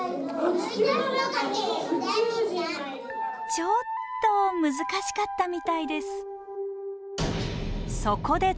ちょっと難しかったみたいです。